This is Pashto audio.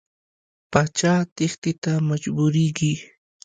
پاچا تېښتې ته مجبوریږي.